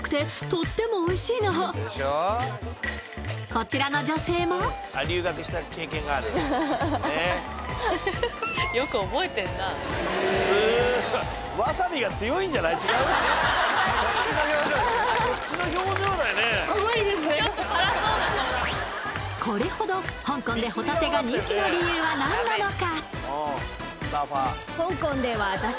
こちらの女性もこれほど香港でほたてが人気の理由は何なのか。